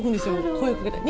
声をかけたら。